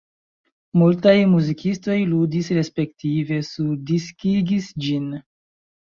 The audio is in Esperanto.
Multaj muzikistoj ludis respektive surdiskigis ĝin.